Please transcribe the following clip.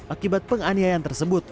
akibat penganiayaan tersebut